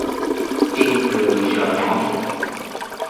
Trinh Cười rồi nói